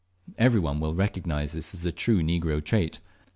Every one will recognise this as a true negro trait.